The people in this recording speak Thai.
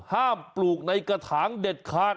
ปลูกในกระถางเด็ดขาด